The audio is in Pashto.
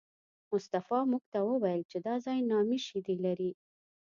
مصطفی موږ ته وویل چې دا ځای نامي شیدې لري.